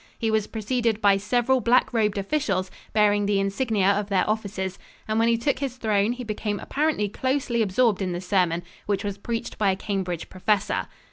He was preceded by several black robed officials bearing the insignia of their offices, and when he took his throne, he became apparently closely absorbed in the sermon, which was preached by a Cambridge professor.